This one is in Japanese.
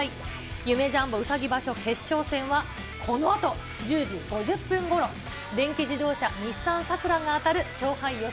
夢・ジャンボうさぎ場所、決勝戦はこのあと１０時５０分ごろ、電気自動車、日産サクラが当たる勝敗予想